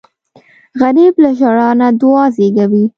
غریب له ژړا نه دعا زېږوي